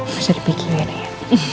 bisa dipikirin ya